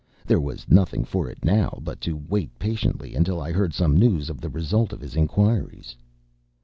There was nothing for it now but to wait patiently until I heard some news of the result of his inquiries.